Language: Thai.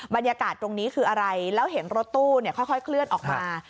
บรรยากาศตรงนี้คืออะไรแล้วเห็นรถตู้ค่อยเคลื่อนออกมา